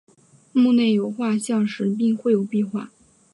墓内有画像石并绘有壁画。